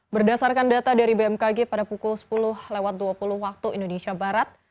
berdasarkan data dari bmkg pada pukul sepuluh lewat dua puluh waktu indonesia barat